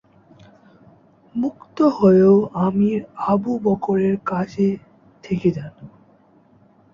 মুক্ত হয়েও আমির আবু বকরের কাজে থেকে যান।